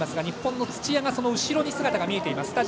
日本の土屋がその後ろに姿が見えています。